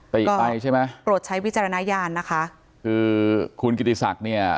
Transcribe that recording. ติไปใช่ไหมโปรดใช้วิจารณญาณนะคะคือคุณกิติศักดิ์เนี่ย